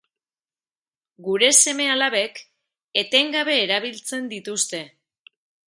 Gure seme-alabek etengabe erabiltzen dituzte.